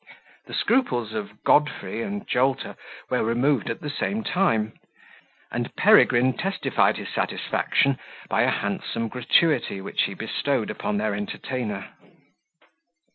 The scruples of Godfrey and Jolter were removed at the same time, and Peregrine testified his satisfaction by a handsome gratuity which he bestowed upon their entertainer.